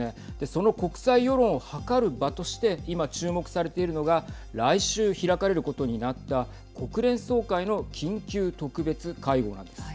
その国際世論を測る場として今、注目されているのが来週開かれることになった国連総会の緊急特別会合なんです。